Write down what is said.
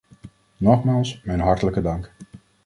Nogmaals mijn hartelijke dank!